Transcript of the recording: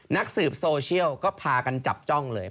นักสืบโซเชียลก็พากันจับจ้องเลย